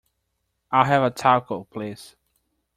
I'll have a Taco, please.